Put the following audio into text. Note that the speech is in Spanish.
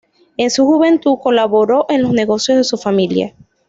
En su juventud, colaboró en los negocios de su familia.